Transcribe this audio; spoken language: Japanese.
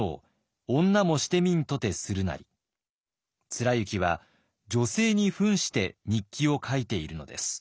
貫之は女性にふんして日記を書いているのです。